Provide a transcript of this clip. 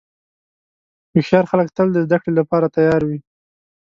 هوښیار خلک تل د زدهکړې لپاره تیار وي.